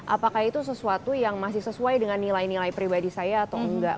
apakah itu sesuatu yang masih sesuai dengan nilai nilai pribadi saya atau enggak